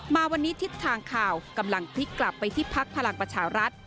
มาวันนี้ทิศทางข่าวกำลังพลิกกลับไปที่พักพลังประชารัฐ